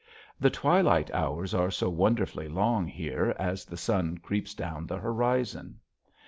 The twilight hours are so wonderfully long here as the sun creeps down the horizon.